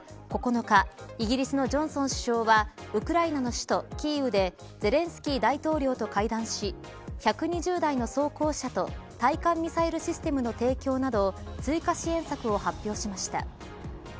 ロシアによる攻撃が続く中９日、イギリスのジョンソン首相はウクライナの首都キーウでゼレンスキー大統領と会談し１２０台の装甲車と対艦ミサイルシステムの提供など追加支援策を発表しました。